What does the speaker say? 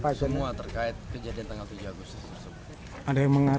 pokoknya kejadian tanggal tujuh